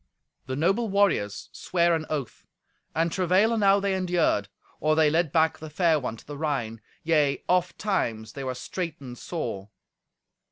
The noble warriors sware an oath; and travail enow they endured, or they led back the fair one to the Rhine; yea, ofttimes they were straightened sore.